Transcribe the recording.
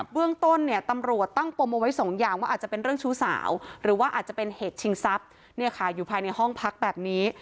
เรื่องต้นเนี่ยตำรวจตั้งปมเอาไว้สองอย่างว่าอาจจะเป็นเรื่องชู้สาวหรือว่าอาจจะเป็นเหตุชิงทรัพย์เนี่ยค่ะอยู่ภายในห้องพักแบบนี้